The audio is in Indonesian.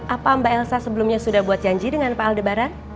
apa mbak elsa sebelumnya sudah buat janji dengan pl debaran